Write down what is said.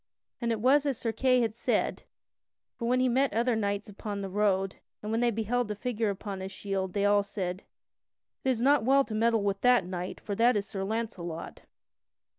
(And it was as Sir Kay had said, for when he met other knights upon the road, and when they beheld the figure upon his shield, they all said: "It is not well to meddle with that knight, for that is Sir Launcelot."